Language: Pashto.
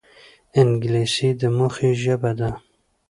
انګلیسي د موخې ژبه ده